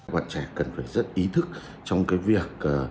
bạn trẻ cần phải rất ý thức trong việc